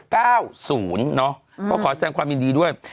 ก็ขอแสดงความยินดีด้วย